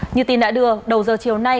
như tin đã đưa đầu giờ chiều nay